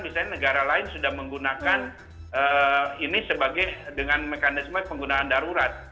misalnya negara lain sudah menggunakan ini sebagai dengan mekanisme penggunaan darurat